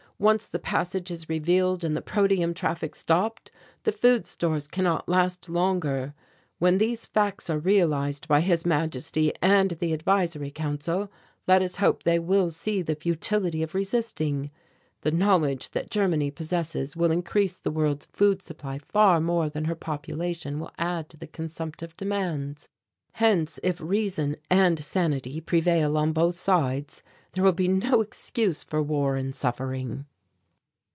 Once the passage is revealed and the protium traffic stopped, the food stores cannot last longer. When these facts are realized by His Majesty and the Advisory Council, let us hope they will see the futility of resisting. The knowledge that Germany possesses will increase the world's food supply far more than her population will add to the consumptive demands, hence if reason and sanity prevail on both sides there will be no excuse for war and suffering."